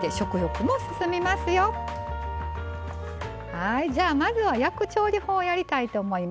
はいじゃあまずは焼く調理法をやりたいと思います。